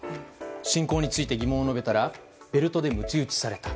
信仰について疑問を述べたらベルトでむち打ちされた。